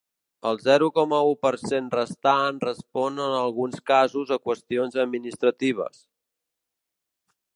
El zero coma u per cent restant respon en alguns casos a qüestions administratives.